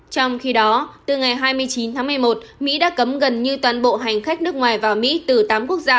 trong khi đó từ ngày hai mươi chín tháng một mươi một mỹ đã cấm gần như toàn bộ hành khách nước ngoài vào mỹ từ tám quốc gia